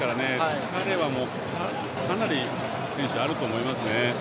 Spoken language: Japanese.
疲れは、かなりあると思いますね。